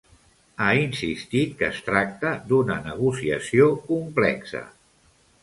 Ha insistit que es tracta d'una negociació complexa.